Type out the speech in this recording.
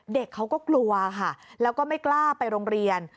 เด็กเขาก็กลัวค่ะแล้วก็ไม่กล้าไปโรงเรียน